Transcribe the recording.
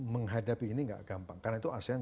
menghadapi ini gak gampang karena itu asean